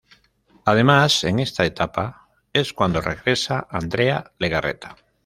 Además en esta etapa es cuando regresa Andrea Legarreta.